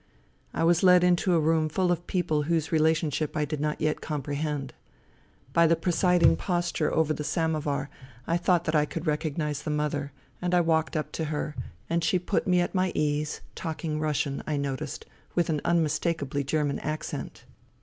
I was led into a room full of people whose relation ship I did not yet comprehend. By the presiding posture over the samovar I thought that I could recognize the mother, and I walked up to her, and 14 FUTILITY she put me at my ease, talking Russian, I noticed, with an unmistakably German accent.